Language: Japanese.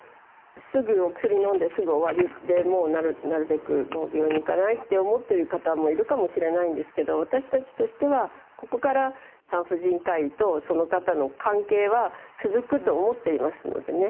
すぐお薬のんですぐ終わりでもうなるべく病院に行かないって思ってる方もいるかもしれないんですけど私たちとしてはここから産婦人科医とその方の関係は続くと思っていますのでね。